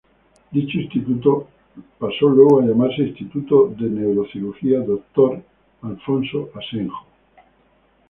Dicho instituto luego pasa a llamarse Instituto de Neurocirugía Dr. Alfonso Asenjo.